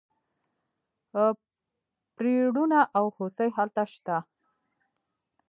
پریړونه او هوسۍ هلته شته.